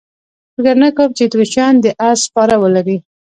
فکر نه کوم چې اتریشیان دې اس سپاره ولري.